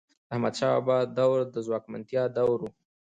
د احمدشاه بابا دور د ځواکمنتیا دور و.